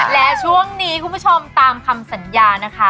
และช่วงนี้คุณผู้ชมตามคำสัญญานะคะ